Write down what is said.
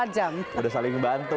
dua puluh empat jam udah saling bantu